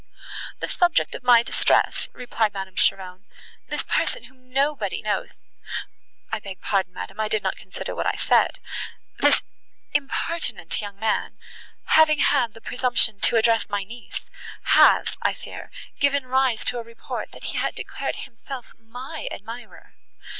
the subject of my distress," replied Madame Cheron; "this person, whom nobody knows—(I beg pardon, madam, I did not consider what I said)—this impertinent young man, having had the presumption to address my niece, has, I fear, given rise to a report, that he had declared himself my admirer.